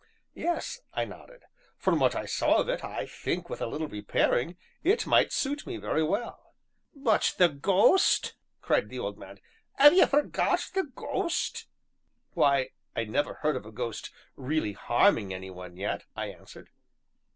"Yes," I nodded; "from what I saw of it, I think, with a little repairing, it might suit me very well." "But the ghost?" cried the old man; "have ye forgot the ghost?" "Why, I never heard of a ghost really harming any one yet," I answered.